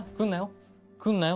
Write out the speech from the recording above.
来んなよ